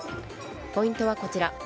ポイントはこちら。